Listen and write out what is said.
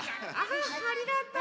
あありがとう！